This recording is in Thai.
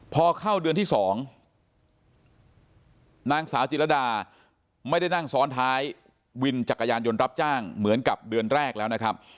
พอเข้าเดือนที่๒นางสาวจิรดาไม่ได้นั่งซ้อนท้ายวินจักรยานยนต์รับจ้างเหมือนกับเดือนแรกแล้วนะครับ